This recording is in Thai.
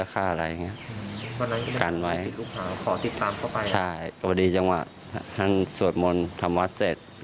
ถามวัดเสร็จ